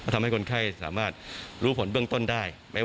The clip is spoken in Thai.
ทำให้คนไข้สามารถรู้ผลเบื้องต้นได้